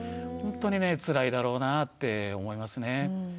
ほんとにねつらいだろうなって思いますね。